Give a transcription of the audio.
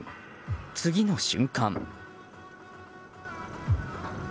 次の瞬間。